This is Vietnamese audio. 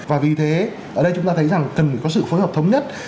và vì thế ở đây chúng ta thấy rằng cần có sự phối hợp thống nhất